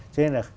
cho nên là